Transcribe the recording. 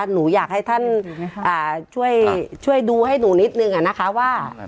หนูอยากให้ท่านช่วยดูให้หนูนิดนึงนะคะว่า